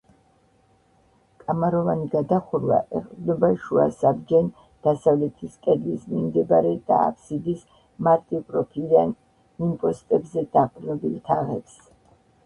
კამაროვანი გადახურვა ეყრდნობა შუა საბჯენ, დასავლეთის კედლის მიმდებარე და აფსიდის მარტივპროფილიან იმპოსტებზე დაყრდნობილ თაღებს.